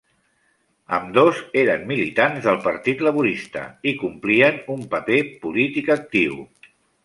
Ambdós eren militants del Partit Laborista i complien un paper polític actiu.